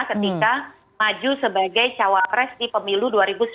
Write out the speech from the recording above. ketika maju sebagai cawapres di pemilu dua ribu sembilan belas